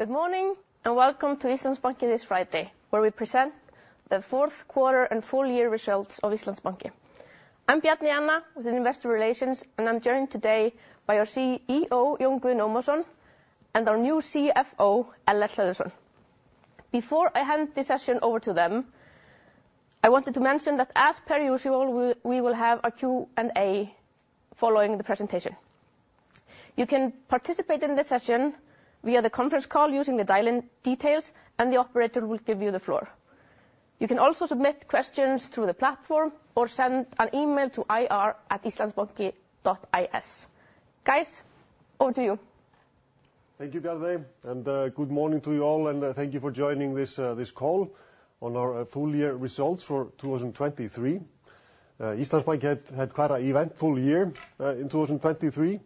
Good morning, and welcome to Íslandsbanki this Friday, where we present the fourth quarter and full year results of Íslandsbanki. I'm Bjarney Anna, with Investor Relations, and I'm joined today by our CEO, Jón Guðni Ómarsson, and our new CFO, Ellert Hlöðversson. Before I hand this session over to them, I wanted to mention that as per usual, we will have a Q&A following the presentation. You can participate in this session via the conference call using the dial-in details, and the operator will give you the floor. You can also submit questions through the platform or send an email to ir@islandsbanki.is. Guys, over to you. Thank you, Bjarney, and good morning to you all, and thank you for joining this call on our full year results for 2023. Íslandsbanki had quite an eventful year in 2023.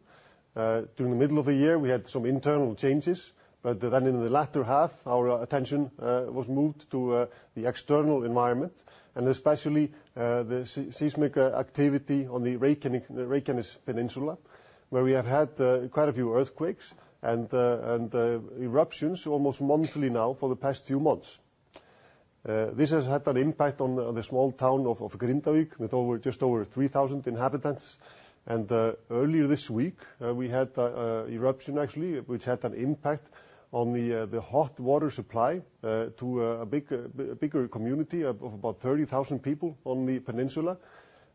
During the middle of the year, we had some internal changes, but then in the latter half, our attention was moved to the external environment, and especially the seismic activity on the Reykjanes Peninsula, where we have had quite a few earthquakes and eruptions almost monthly now for the past few months. This has had an impact on the small town of Grindavík, with just over 3,000 inhabitants. Earlier this week, we had an eruption, actually, which had an impact on the hot water supply to a bigger community of about 30,000 people on the peninsula.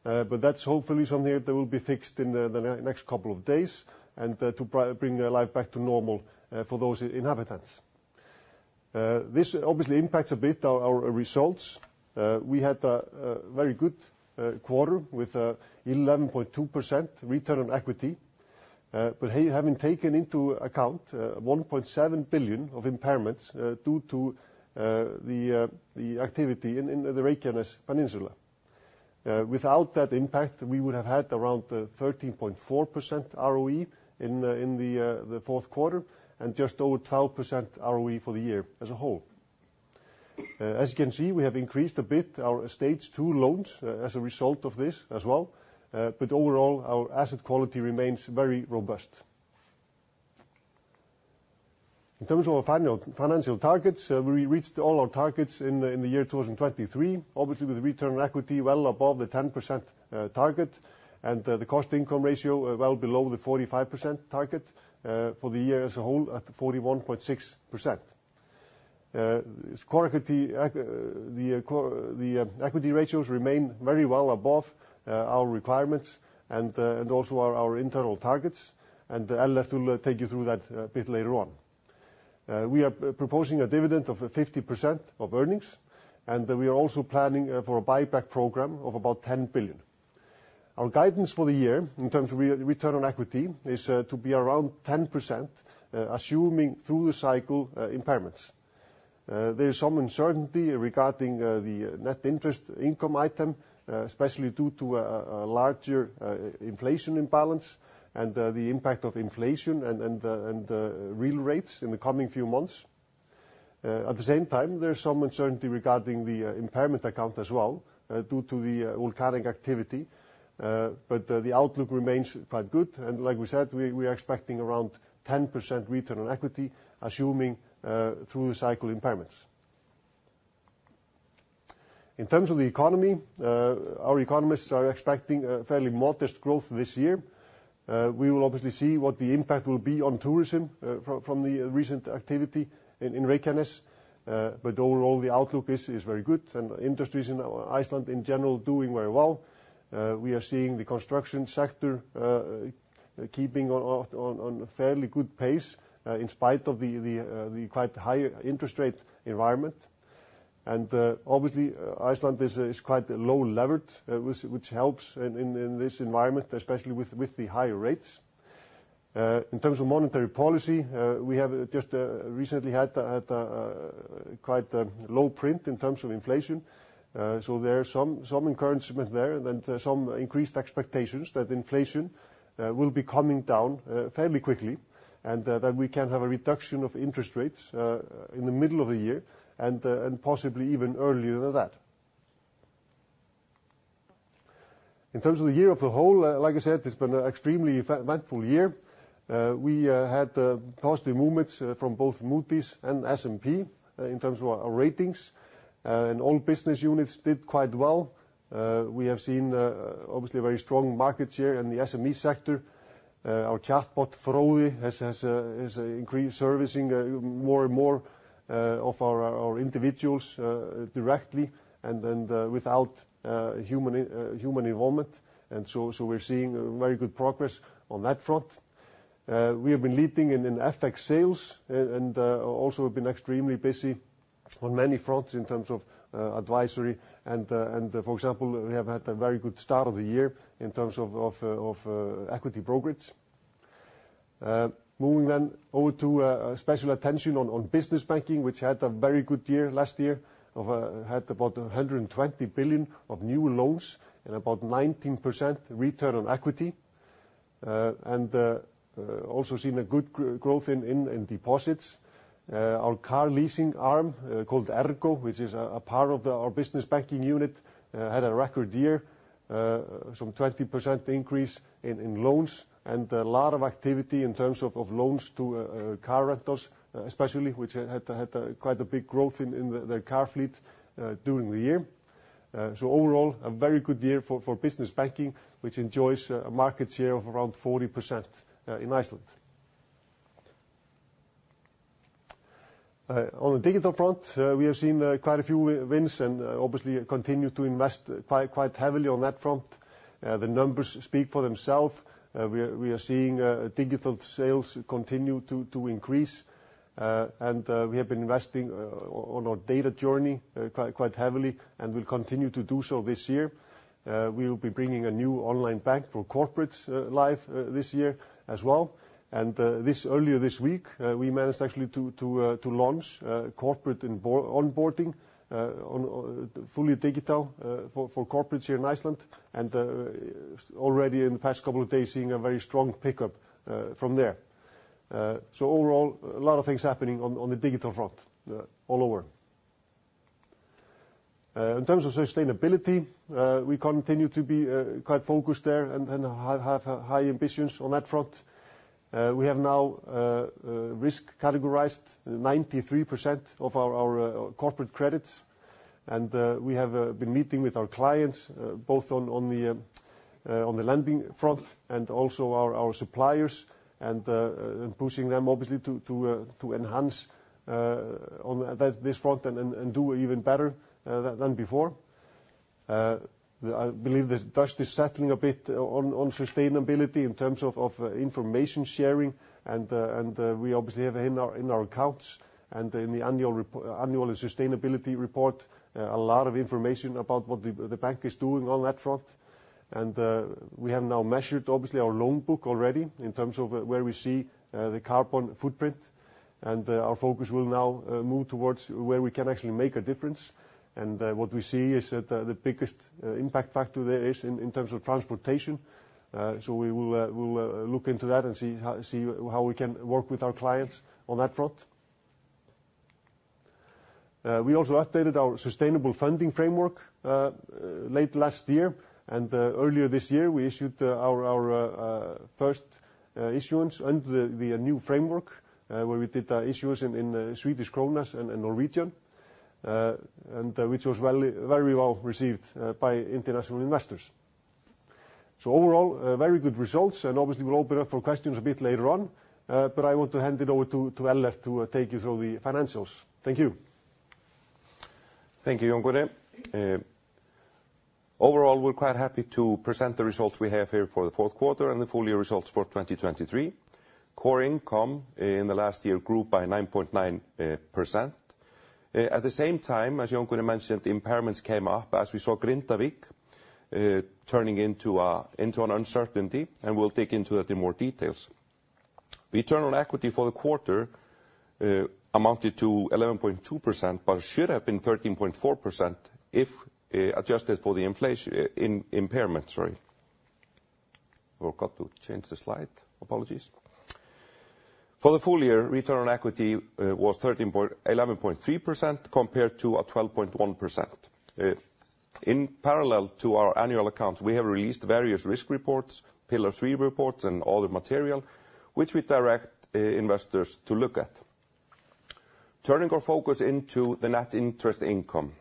But that's hopefully something that will be fixed in the next couple of days, and to bring life back to normal for those inhabitants. This obviously impacts a bit our results. We had a very good quarter with 11.2% return on equity, but having taken into account 1.7 billion of impairments due to the activity in the Reykjanes Peninsula. Without that impact, we would have had around 13.4% ROE in the fourth quarter, and just over 12% ROE for the year as a whole. As you can see, we have increased a bit our Stage 2 loans as a result of this as well, but overall, our asset quality remains very robust. In terms of our financial targets, we reached all our targets in the year 2023, obviously with return on equity well above the 10% target, and the cost income ratio well below the 45% target for the year as a whole, at 41.6%. Core equity ratios remain very well above our requirements and also our internal targets, and Ellert will take you through that a bit later on. We are proposing a dividend of 50% of earnings, and we are also planning for a buyback program of about 10 billion. Our guidance for the year, in terms of return on equity, is to be around 10%, assuming through-the-cycle impairments. There is some uncertainty regarding the net interest income item, especially due to a larger inflation imbalance and the impact of inflation and the real rates in the coming few months. At the same time, there's some uncertainty regarding the impairment account as well, due to the volcanic activity. But the outlook remains quite good, and like we said, we are expecting around 10% return on equity, assuming through-the-cycle impairments. In terms of the economy, our economists are expecting a fairly modest growth this year. We will obviously see what the impact will be on tourism from the recent activity in Reykjanes, but overall, the outlook is very good, and industries in Iceland in general are doing very well. We are seeing the construction sector keeping on a fairly good pace in spite of the quite high interest rate environment. And obviously, Iceland is quite low levered, which helps in this environment, especially with the higher rates. In terms of monetary policy, we have just recently had quite a low print in terms of inflation. So there are some encouragement there, and then some increased expectations that inflation will be coming down fairly quickly, and that we can have a reduction of interest rates in the middle of the year and possibly even earlier than that. In terms of the year of the whole, like I said, it's been an extremely eventful year. We had positive movements from both Moody's and S&P in terms of our ratings, and all business units did quite well. We have seen obviously a very strong market share in the SME sector. Our chatbot, Fróði, has increased servicing more and more of our individuals directly and then without human involvement, and so we're seeing very good progress on that front. We have been leading in FX sales and also have been extremely busy on many fronts in terms of advisory and, for example, we have had a very good start of the year in terms of equity brokerage. Moving then over to special attention on Business Banking, which had a very good year last year, had about 120 billion of new loans and about 19% return on equity and also seen a good growth in deposits. Our car leasing arm, called Ergo, which is a part of our Business Banking unit, had a record year, some 20% increase in loans and a lot of activity in terms of loans to car renters, especially, which had quite a big growth in the car fleet during the year. So overall, a very good year for Business Banking, which enjoys a market share of around 40% in Iceland. On the digital front, we have seen quite a few wins and obviously continue to invest quite heavily on that front. The numbers speak for themselves. We are seeing digital sales continue to increase, and we have been investing on our data journey quite heavily, and we'll continue to do so this year. We will be bringing a new online bank for corporate life this year as well. And earlier this week, we managed actually to launch corporate onboarding on fully digital for corporates here in Iceland, and already in the past couple of days, seeing a very strong pickup from there. So overall, a lot of things happening on the digital front all over. In terms of sustainability, we continue to be quite focused there and have high ambitions on that front. We have now risk categorized 93% of our corporate credits, and we have been meeting with our clients both on the lending front and also our suppliers, and pushing them obviously to enhance on this front and do even better than before. I believe the dust is settling a bit on sustainability in terms of information sharing, and we obviously have in our accounts and in the annual sustainability report a lot of information about what the bank is doing on that front. We have now measured, obviously, our loan book already in terms of where we see the carbon footprint, and our focus will now move towards where we can actually make a difference. What we see is that the biggest impact factor there is in terms of transportation. So we will look into that and see how we can work with our clients on that front. We also updated our sustainable funding framework late last year, and earlier this year, we issued our first issuance under the new framework, where we did issuance in Swedish krona and in Norwegian krone, and which was very, very well received by international investors. Overall, very good results, and obviously, we'll open up for questions a bit later on, but I want to hand it over to Ellert to take you through the financials. Thank you. Thank you, Jón Guðni. Overall, we're quite happy to present the results we have here for the fourth quarter and the full year results for 2023. Core income in the last year grew by 9.9%. At the same time, as Jón Guðni mentioned, the impairments came up as we saw Grindavík turning into an uncertainty, and we'll dig into that in more details. Return on equity for the quarter amounted to 11.2%, but should have been 13.4% if adjusted for the inflation impairment, sorry. Forgot to change the slide. Apologies. For the full year, return on equity was 13 point, 11.3% compared to a 12.1%. In parallel to our annual accounts, we have released various risk reports, Pillar 3 reports, and all the material, which we direct investors to look at. Turning our focus into the net interest income,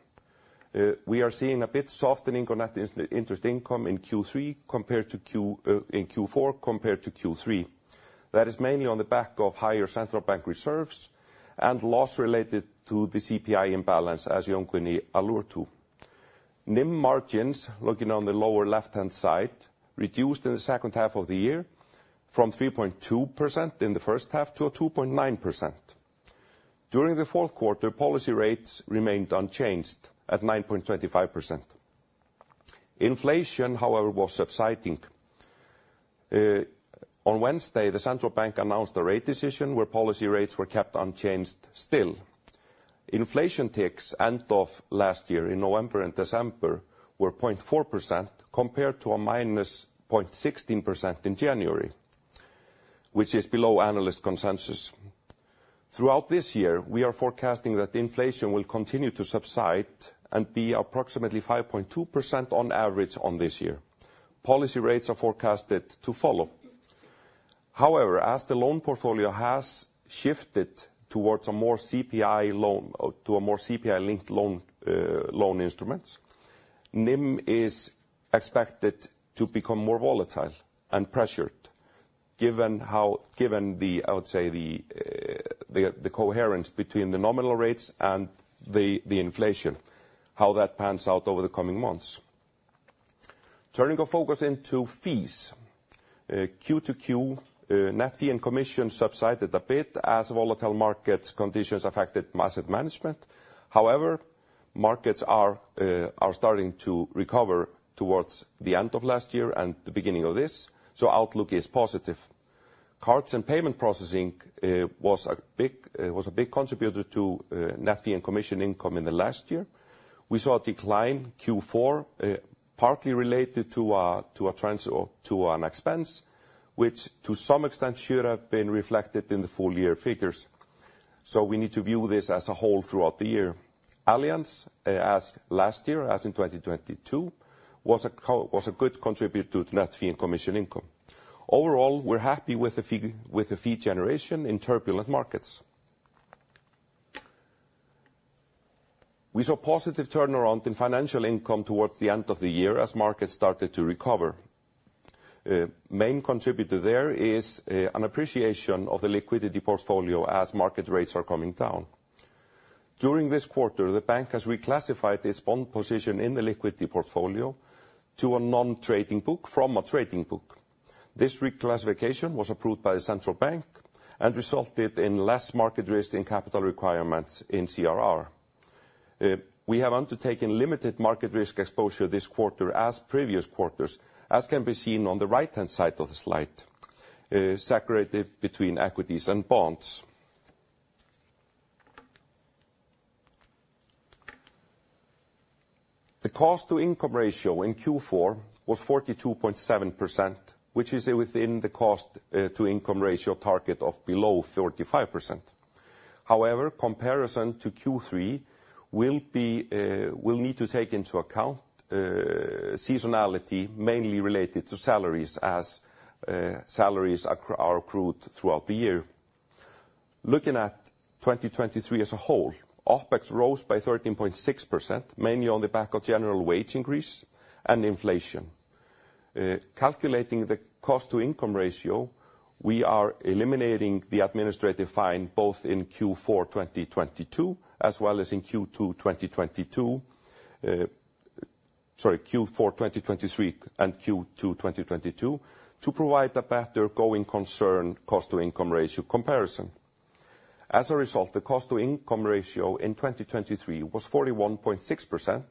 we are seeing a bit softening on net interest income in Q4 compared to Q3. That is mainly on the back of higher Central Bank reserves and loss related to the CPI imbalance, as Jón Guðni alluded to. NIM margins, looking on the lower left-hand side, reduced in the second half of the year from 3.2% in the first half to a 2.9%. During the fourth quarter, policy rates remained unchanged at 9.25%. Inflation, however, was subsiding. On Wednesday, the Central Bank announced a rate decision where policy rates were kept unchanged still. Inflation ticks end of last year, in November and December, were 0.4% compared to a -0.16% in January, which is below analyst consensus. Throughout this year, we are forecasting that inflation will continue to subside and be approximately 5.2% on average on this year. Policy rates are forecasted to follow. However, as the loan portfolio has shifted towards a more CPI loan, or to a more CPI-linked loan, loan instruments, NIM is expected to become more volatile and pressured, given how, I would say, the coherence between the nominal rates and the inflation, how that pans out over the coming months. Turning our focus into fees. Q-to-Q, net fee and commission subsided a bit as volatile markets conditions affected asset management. However, markets are starting to recover towards the end of last year and the beginning of this, so outlook is positive. Cards and payment processing was a big contributor to net fee and commission income in the last year. We saw a decline Q4, partly related to an expense, which to some extent should have been reflected in the full year figures, so we need to view this as a whole throughout the year. Allianz, as last year, as in 2022, was a good contributor to net fee and commission income. Overall, we're happy with the fee generation in turbulent markets. We saw positive turnaround in financial income towards the end of the year as markets started to recover. Main contributor there is an appreciation of the liquidity portfolio as market rates are coming down. During this quarter, the bank has reclassified its bond position in the liquidity portfolio to a non-trading book from a trading book. This reclassification was approved by the Central Bank and resulted in less market risk and capital requirements in CRR. We have undertaken limited market risk exposure this quarter as previous quarters, as can be seen on the right-hand side of the slide, segregated between equities and bonds. The cost to income ratio in Q4 was 42.7%, which is within the cost to income ratio target of below 35%. However, comparison to Q3 will need to take into account seasonality, mainly related to salaries, as salaries are accrued throughout the year. Looking at 2023 as a whole, OpEx rose by 13.6%, mainly on the back of general wage increase and inflation. Calculating the cost to income ratio, we are eliminating the administrative fine, both in Q4 2022, as well as in Q2 2022, sorry, Q4 2023 and Q2 2022, to provide a better going concern cost to income ratio comparison. As a result, the cost to income ratio in 2023 was 41.6%,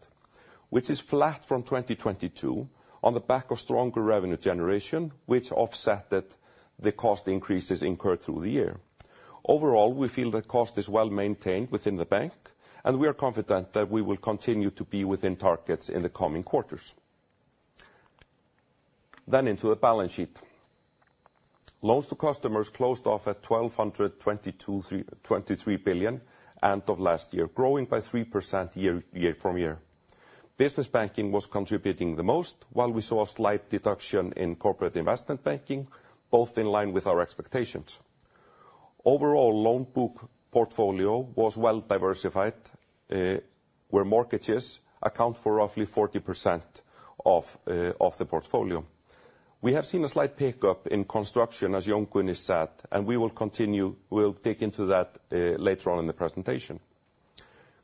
which is flat from 2022 on the back of stronger revenue generation, which offset that the cost increases incurred through the year. Overall, we feel the cost is well maintained within the bank, and we are confident that we will continue to be within targets in the coming quarters. Then into the balance sheet. Loans to customers closed off at 1,223 billion end of last year, growing by 3% year-over-year. Business Banking was contributing the most, while we saw a slight deduction in Corporate Investment Banking, both in line with our expectations. Overall, loan book portfolio was well diversified, where mortgages account for roughly 40% of the portfolio. We have seen a slight pickup in construction, as Jón Guðni said, and we'll dig into that later on in the presentation.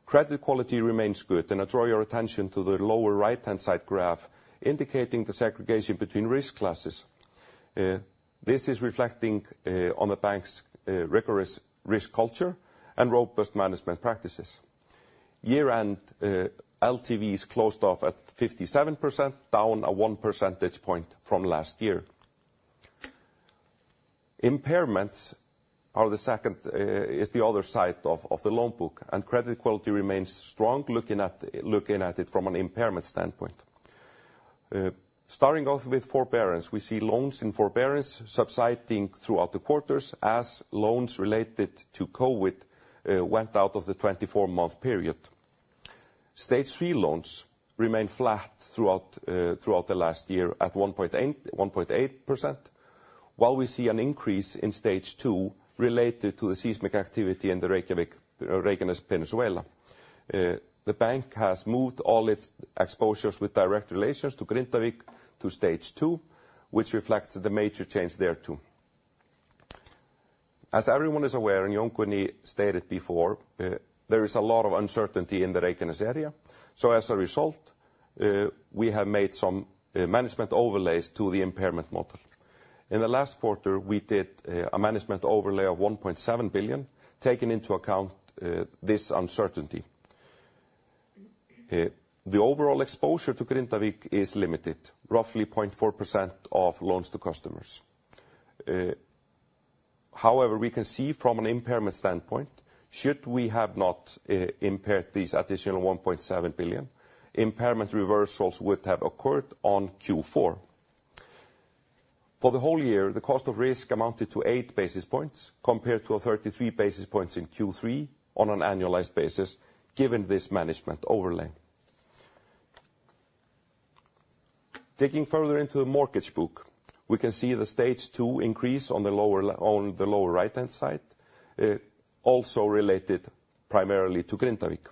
Credit quality remains good, and I draw your attention to the lower right-hand side graph indicating the segregation between risk classes. This is reflecting on the bank's rigorous risk culture and robust management practices. Year-end LTVs closed off at 57%, down 1 percentage point from last year. Impairments are the second, is the other side of, of the loan book, and credit quality remains strong, looking at, looking at it from an impairment standpoint. Starting off with forbearance, we see loans in forbearance subsiding throughout the quarters as loans related to COVID went out of the 24-month period. Stage 3 loans remain flat throughout the last year at 1.8, 1.8%, while we see an increase in Stage 2 related to the seismic activity in the Reykjanes Peninsula. The bank has moved all its exposures with direct relations to Grindavík to Stage 2, which reflects the major change there, too. As everyone is aware, and Jón Guðni stated before, there is a lot of uncertainty in the Reykjanes area, so as a result, we have made some management overlays to the impairment model. In the last quarter, we did a management overlay of 1.7 billion, taking into account this uncertainty. The overall exposure to Grindavík is limited, roughly 0.4% of loans to customers. However, we can see from an impairment standpoint, should we have not impaired these additional 1.7 billion, impairment reversals would have occurred on Q4. For the whole year, the cost of risk amounted to 8 basis points, compared to 33 basis points in Q3 on an annualized basis, given this management overlay. Taking further into the mortgage book, we can see the Stage 2 increase on the lower right-hand side, also related primarily to Grindavík.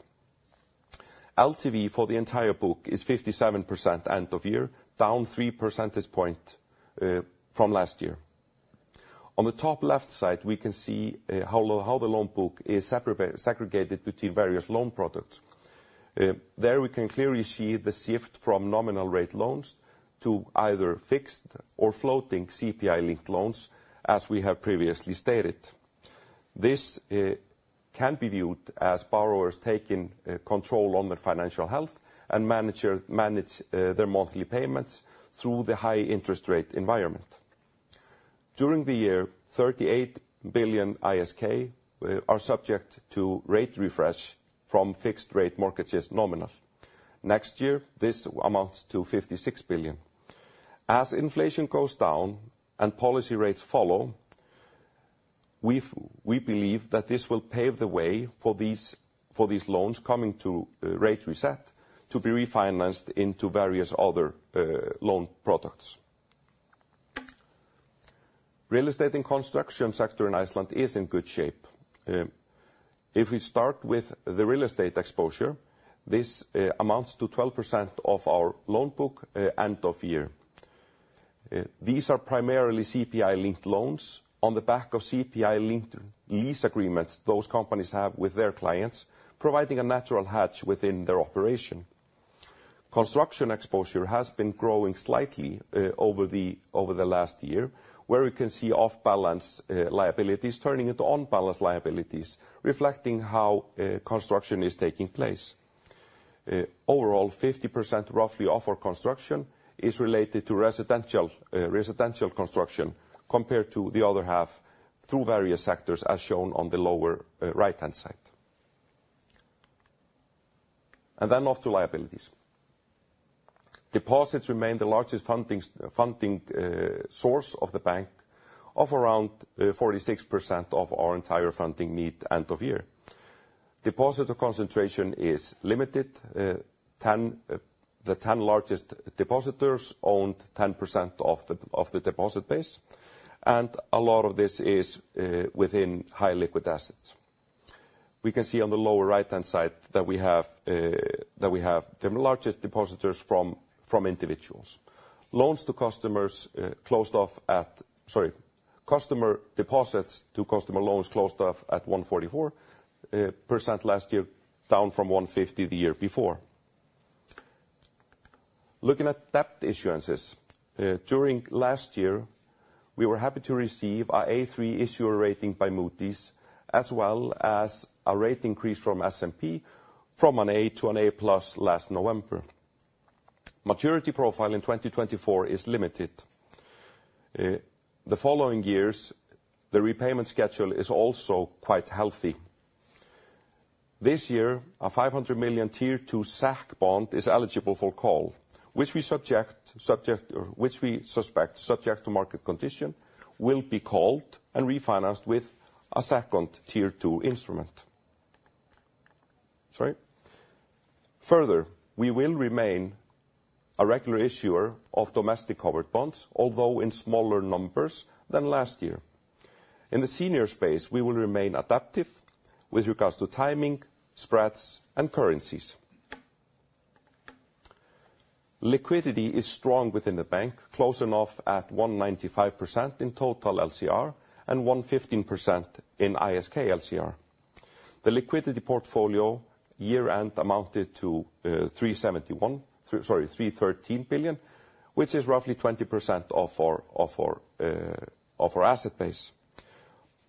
LTV for the entire book is 57% end of year, down 3 percentage points from last year. On the top left side, we can see how the loan book is segregated between various loan products. There, we can clearly see the shift from nominal rate loans to either fixed or floating CPI-linked loans, as we have previously stated. This can be viewed as borrowers taking control on their financial health and manage their monthly payments through the high interest rate environment. During the year, 38 billion ISK are subject to rate refresh from fixed rate mortgages nominal. Next year, this amounts to 56 billion. As inflation goes down and policy rates follow, we believe that this will pave the way for these, for these loans coming to rate reset, to be refinanced into various other loan products. Real estate and construction sector in Iceland is in good shape. If we start with the real estate exposure, this amounts to 12% of our loan book end of year. These are primarily CPI-linked loans on the back of CPI-linked lease agreements those companies have with their clients, providing a natural hedge within their operation. Construction exposure has been growing slightly over the last year, where we can see off-balance liabilities turning into on-balance liabilities, reflecting how construction is taking place. Overall, 50%, roughly, of our construction is related to residential construction, compared to the other half through various sectors, as shown on the lower right-hand side. And then off to liabilities. Deposits remain the largest funding source of the bank, of around 46% of our entire funding need end of year. Deposit concentration is limited. Ten, the 10 largest depositors owned 10% of the, of the deposit base, and a lot of this is within high liquid assets. We can see on the lower right-hand side that we have, that we have the largest depositors from, from individuals. Loans to customers closed off at - sorry, customer deposits to customer loans closed off at 144% last year, down from 150 the year before. Looking at debt issuances during last year, we were happy to receive our A3 issuer rating by Moody's, as well as a rate increase from S&P, from an A to an A+ last November. Maturity profile in 2024 is limited. The following years, the repayment schedule is also quite healthy. This year, our 500 million Tier 2 SEK bond is eligible for call, which we suspect, subject to market condition, will be called and refinanced with a second Tier 2 instrument. Sorry. Further, we will remain a regular issuer of domestic covered bonds, although in smaller numbers than last year. In the senior space, we will remain adaptive with regards to timing, spreads, and currencies. Liquidity is strong within the bank, closing off at 195% in total LCR and 115% in ISK LCR. The liquidity portfolio year-end amounted to three thirteen billion, which is roughly 20% of our asset base.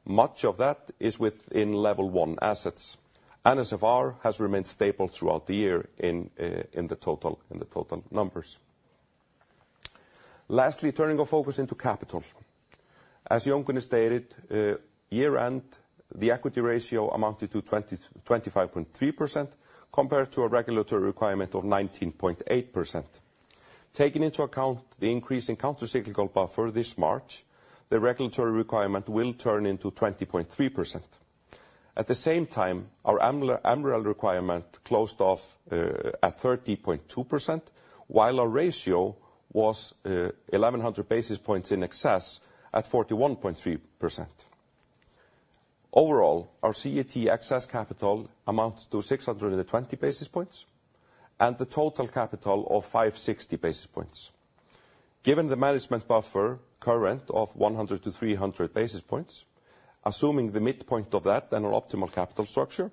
Much of that is within level one assets. NSFR has remained stable throughout the year in the total numbers. Lastly, turning our focus into capital. As Jón Guðni stated, year-end, the equity ratio amounted to 20.25%, compared to a regulatory requirement of 19.8%. Taking into account the increase in countercyclical buffer this March, the regulatory requirement will turn into 20.3%. At the same time, our MREL, MREL requirement closed off at 30.2%, while our ratio was eleven hundred basis points in excess, at 41.3%. Overall, our CET excess capital amounts to 620 basis points, and the total capital of 560 basis points. Given the management buffer current of 100-300 basis points, assuming the midpoint of that and our optimal capital structure,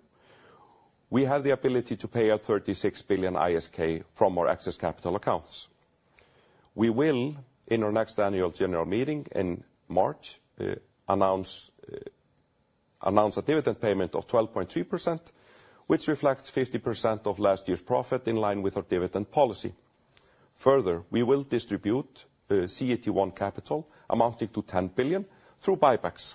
we have the ability to pay out 36 billion ISK from our excess capital accounts. We will, in our next annual general meeting in March, announce a dividend payment of 12.3%, which reflects 50% of last year's profit in line with our dividend policy. Further, we will distribute CET1 capital amounting to 10 billion through buybacks.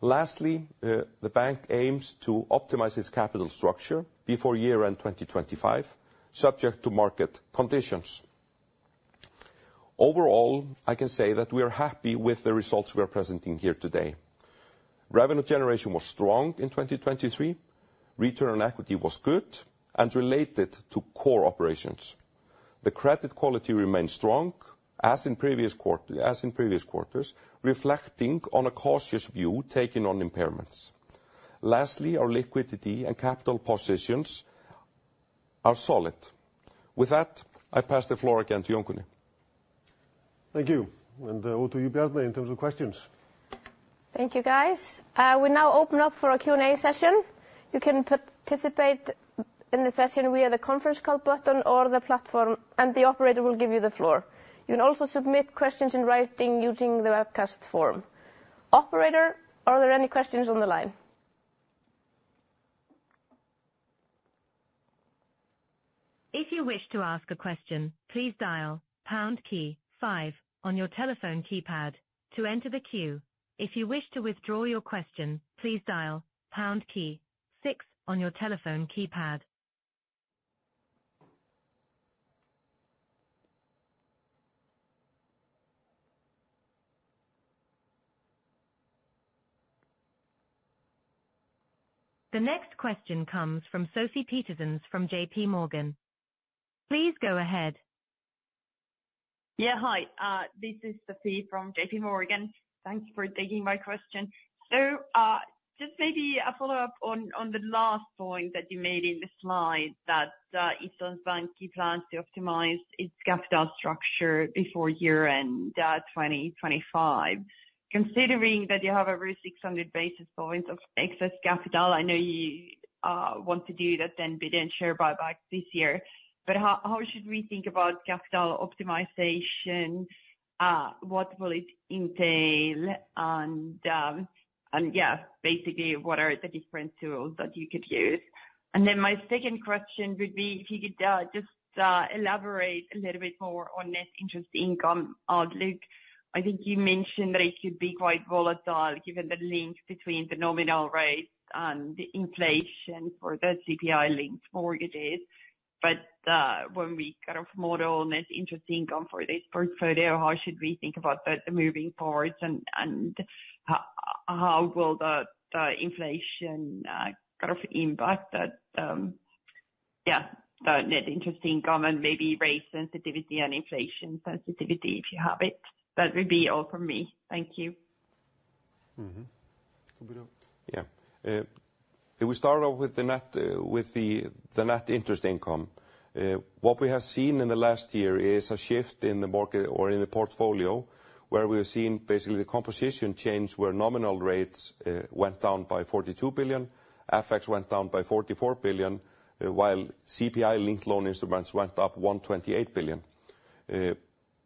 Lastly, the bank aims to optimize its capital structure before year-end 2025, subject to market conditions. Overall, I can say that we are happy with the results we are presenting here today. Revenue generation was strong in 2023, return on equity was good and related to core operations. The credit quality remained strong as in previous quarter, as in previous quarters, reflecting on a cautious view taken on impairments. Lastly, our liquidity and capital positions are solid. With that, I pass the floor again to Jón Guðni. Thank you, and over to you, Bjarney, in terms of questions. Thank you, guys. We now open up for a Q&A session. You can participate in the session via the conference call button or the platform, and the operator will give you the floor. You can also submit questions in writing using the webcast form. Operator, are there any questions on the line? If you wish to ask a question, please dial pound key five on your telephone keypad to enter the queue. If you wish to withdraw your question, please dial pound key six on your telephone keypad. The next question comes from Sofie Peterzens from JPMorgan. Please go ahead. Yeah, hi, this is Sofie from JPMorgan. Thank you for taking my question. So, just maybe a follow-up on the last point that you made in the slide, that Íslandsbanki plans to optimize its capital structure before year-end 2025. Considering that you have over 600 basis points of excess capital, I know you want to do that, then we didn't share buyback this year. But how should we think about capital optimization? What will it entail? And yeah, basically, what are the different tools that you could use? And then my second question would be if you could just elaborate a little bit more on net interest income outlook. I think you mentioned that it could be quite volatile, given the link between the nominal rate and the inflation for the CPI-linked mortgages. But when we kind of model net interest income for this portfolio, how should we think about the moving parts, and how will the inflation kind of impact that, the net interest income and maybe rate sensitivity and inflation sensitivity, if you have it? That would be all from me. Thank you. Mm-hmm. Yeah. If we start off with the net, with the net interest income, what we have seen in the last year is a shift in the market or in the portfolio, where we've seen basically the composition change, where nominal rates went down by 42 billion, FX went down by 44 billion, while CPI-linked loan instruments went up 128 billion.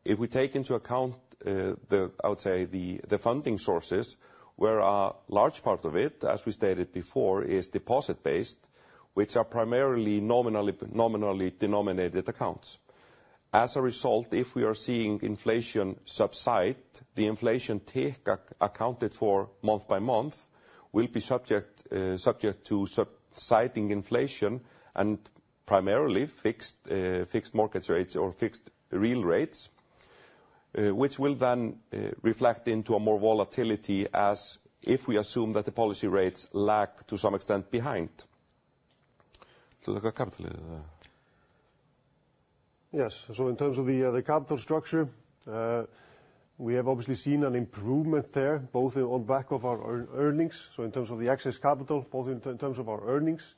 If we take into account, I would say, the funding sources, where a large part of it, as we stated before, is deposit-based, which are primarily nominally, nominally denominated accounts. As a result, if we are seeing inflation subside, the inflation accounted for month by month will be subject to subsiding inflation and primarily fixed market rates or fixed real rates, which will then reflect into a more volatility as if we assume that the policy rates lag, to some extent, behind. Yes. So in terms of the capital structure, we have obviously seen an improvement there, both on back of our earnings, so in terms of the excess capital, both in terms of our earnings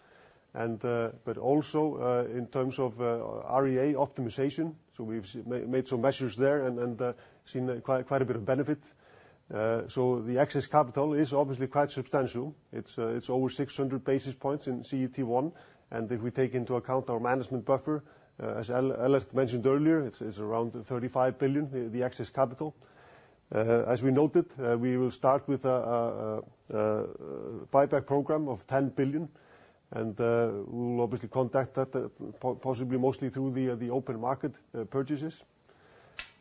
and, but also, in terms of REA optimization. So we've made some measures there and seen quite a bit of benefit. So the excess capital is obviously quite substantial. It's over 600 basis points in CET1, and if we take into account our management buffer, as Ellert mentioned earlier, it's around 35 billion, the excess capital. As we noted, we will start with a buyback program of 10 billion, and we'll obviously conduct that possibly mostly through the open market purchases.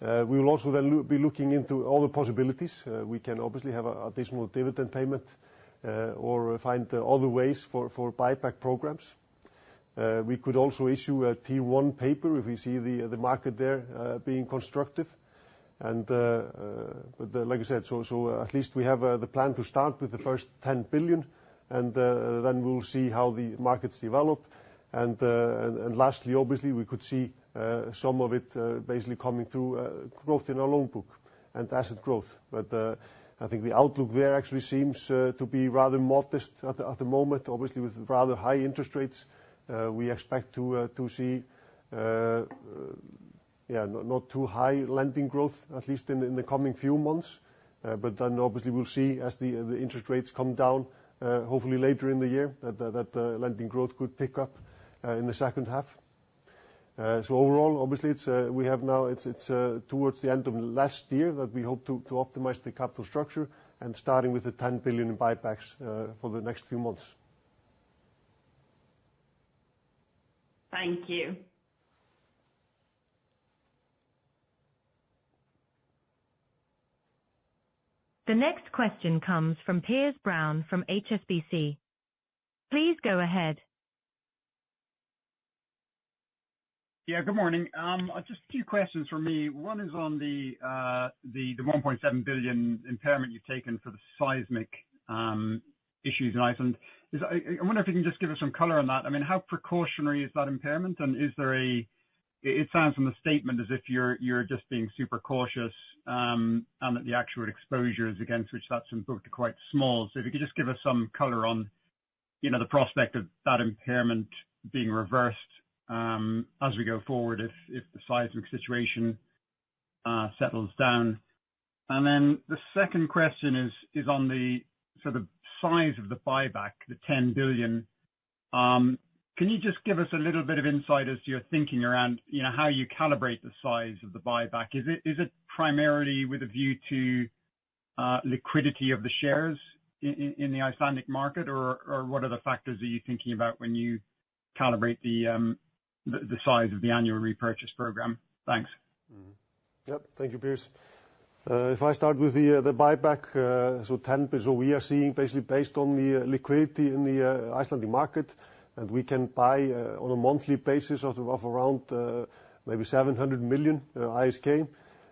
We will also then be looking into other possibilities. We can obviously have a additional dividend payment, or find other ways for buyback programs. We could also issue a T1 paper if we see the market there being constructive. But like I said, so at least we have the plan to start with the first 10 billion, and then we'll see how the markets develop. And lastly, obviously, we could see some of it basically coming through growth in our loan book and asset growth. But I think the outlook there actually seems to be rather modest at the moment. Obviously, with rather high interest rates, we expect to see yeah, not too high lending growth, at least in the coming few months. But then obviously we'll see as the interest rates come down, hopefully later in the year, that the lending growth could pick up in the second half. So overall, obviously, it's, we have now it's, it's, towards the end of last year that we hope to optimize the capital structure and starting with the 10 billion buybacks for the next few months. Thank you. The next question comes from Piers Brown, from HSBC. Please go ahead. Yeah, good morning. Just a few questions from me. One is on the 1.7 billion impairment you've taken for the seismic issues in Iceland. I wonder if you can just give us some color on that. I mean, how precautionary is that impairment, and it sounds from the statement as if you're just being super cautious, and that the actual exposures against which that's been booked are quite small. So if you could just give us some color on, you know, the prospect of that impairment being reversed, as we go forward, if the seismic situation settles down. And then the second question is on the size of the buyback, the 10 billion. Can you just give us a little bit of insight as to your thinking around, you know, how you calibrate the size of the buyback? Is it primarily with a view to liquidity of the shares in the Icelandic market, or what other factors are you thinking about when you calibrate the size of the annual repurchase program? Thanks. Yep, thank you, Piers. If I start with the buyback, so ten, so we are seeing basically based on the liquidity in the Icelandic market, and we can buy on a monthly basis of around maybe 700 million ISK.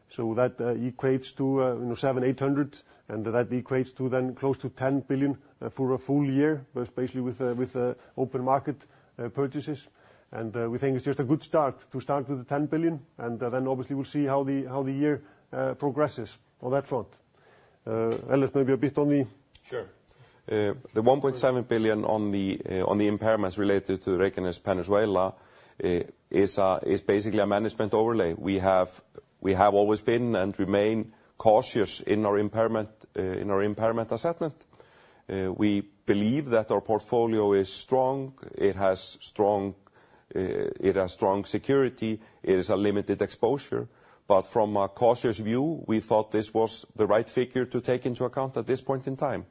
So that equates to you know 700-800, and that equates to then close to 10 billion for a full year, but basically with open market purchases. And we think it's just a good start to start with the 10 billion, and then obviously we'll see how the year progresses on that front. Ellert, maybe a bit on the- Sure. The 1.7 billion on the impairments related to Reykjanes Peninsula is basically a management overlay. We have always been and remain cautious in our impairment assessment. We believe that our portfolio is strong, it has strong security, it is a limited exposure, but from a cautious view, we thought this was the right figure to take into account at this point in time.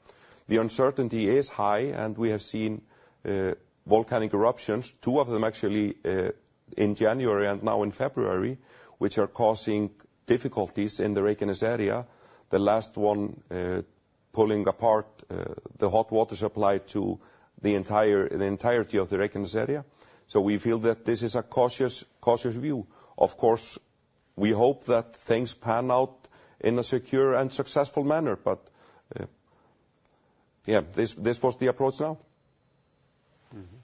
The uncertainty is high, and we have seen volcanic eruptions, two of them actually, in January and now in February, which are causing difficulties in the Reykjanes area. The last one pulling apart the hot water supply to the entirety of the Reykjanes area. So we feel that this is a cautious view. Of course, we hope that things pan out in a secure and successful manner, but, yeah, this was the approach now. Mm-hmm.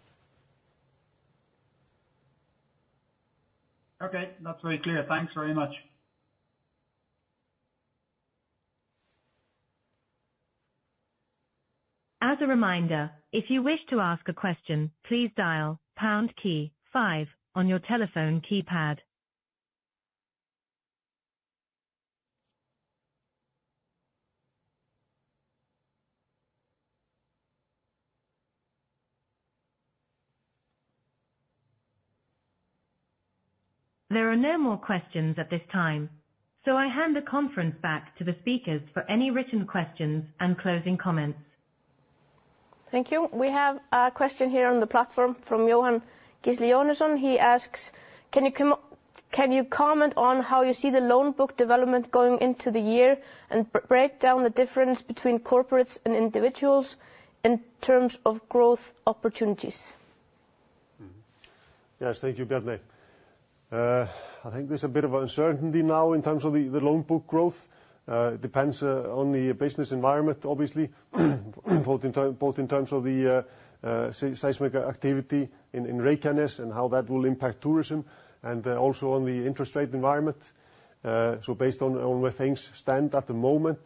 Okay, that's very clear. Thanks very much. As a reminder, if you wish to ask a question, please dial pound key five on your telephone keypad. There are no more questions at this time, so I hand the conference back to the speakers for any written questions and closing comments. Thank you. We have a question here on the platform from Jóhannes Gísli Jónsson. He asks: Can you comment on how you see the loan book development going into the year, and break down the difference between corporates and individuals in terms of growth opportunities? Mm-hmm. Yes, thank you, Bjarney. I think there's a bit of uncertainty now in terms of the loan book growth. It depends on the business environment, obviously, both in term, both in terms of the seismic activity in Reykjanes and how that will impact tourism, and also on the interest rate environment. So based on where things stand at the moment,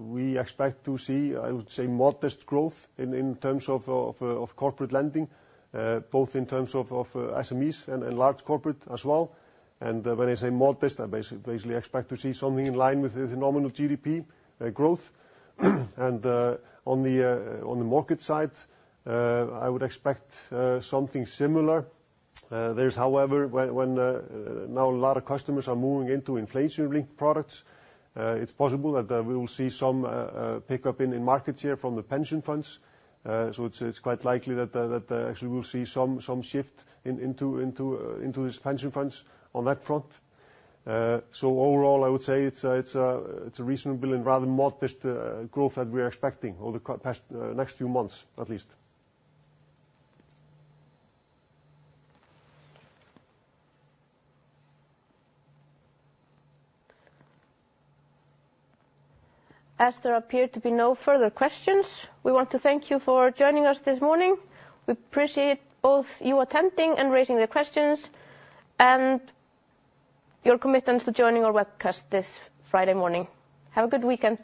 we expect to see, I would say, modest growth in terms of corporate lending, both in terms of SMEs and large corporate as well. And when I say modest, I basically expect to see something in line with the nominal GDP growth. And on the market side, I would expect something similar. There's however, when now a lot of customers are moving into inflation-linked products, it's possible that we will see some pickup in market share from the pension funds. So it's quite likely that actually we'll see some shift into these pension funds on that front. So overall, I would say it's a reasonable and rather modest growth that we are expecting over the past next few months, at least. As there appear to be no further questions, we want to thank you for joining us this morning. We appreciate both you attending and raising the questions, and your commitment to joining our webcast this Friday morning. Have a good weekend.